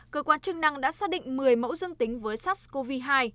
cơ quan chức năng đã xác định một mươi mẫu dương tính với sars cov hai